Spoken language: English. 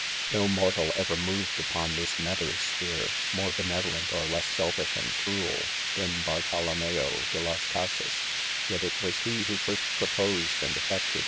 . Mo mortal ever moved i?pdn this aether sphere, more {benevolent^ or less selfish, and crueL, than Bartolomeo r de las CJasas; yet, lie it "was. who .first proposed and ef •feetoH